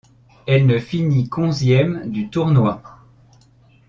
Elle ne finit qu'onzième du tournoi.